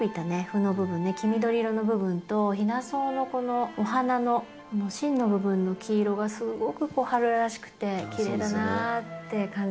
黄緑色の部分とヒナソウのこのお花の芯の部分の黄色がすごく春らしくてきれいだなって感じました。